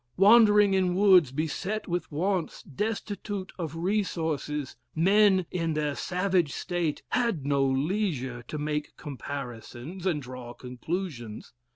Wandering in woods, beset with wants, destitute of resources, men in their savage state had no leisure to make comparisons and draw conclusions.